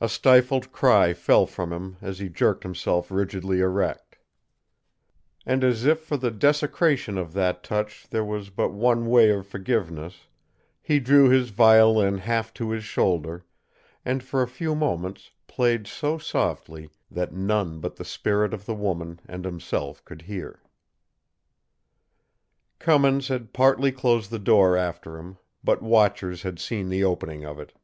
A stifled cry fell from him as he jerked himself rigidly erect; and as if for the desecration of that touch there was but one way of forgiveness, he drew his violin half to his shoulder, and for a few moments played so softly that none but the spirit of the woman and himself could hear. Cummins had partly closed the door after him; but watchers had seen the opening of it.